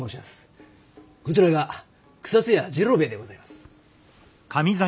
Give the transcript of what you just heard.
こちらが草津屋治郎兵衛でございます。